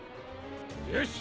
よし！